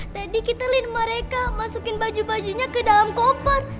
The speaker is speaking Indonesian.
tadi kita lin mereka masukin baju bajunya ke dalam koper